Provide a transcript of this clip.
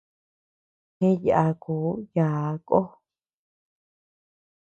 Gë yàku yââ kó.